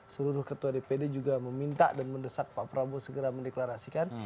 seluruh ketua dpd juga meminta dan mendesak pak prabowo segera mendeklarasikan